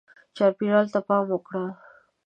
چاپېریال ته پام وکړه.